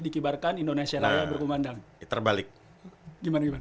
dikibarkan indonesia raya berpemandang